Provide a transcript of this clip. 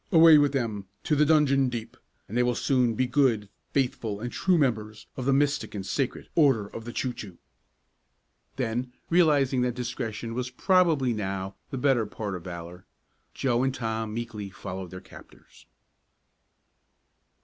"Away with them to the dungeon deep, and they will soon be good, faithful and true members of the Mystic and Sacred Order of the Choo Choo!" Then, realizing that discretion was probably now the better part of valor, Joe and Tom meekly followed their captors.